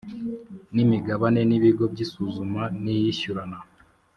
n imigabane n ibigo by isuzuma n iyishyurana